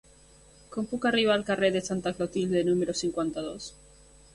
Com puc arribar al carrer de Santa Clotilde número cinquanta-dos?